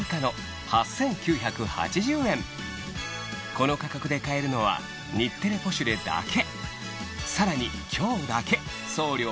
この価格で買えるのは『日テレポシュレ』だけ！